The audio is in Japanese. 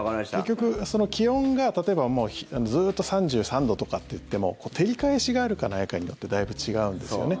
結局、気温が例えばずっと３３度とかっていっても照り返しがあるかないかによってだいぶ違うんですよね。